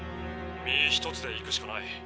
身一つで行くしかない」。